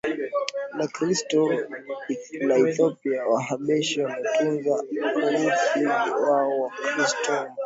la Kikristo la Ethiopia Wahabeshi wametunza urithi wao wa Kikristo mpaka